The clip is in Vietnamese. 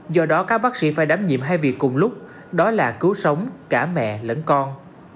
do đó các bác sĩ phải đám nhiệm hai việc cùng lúc đó là cứu sống cả mẹ lẫn con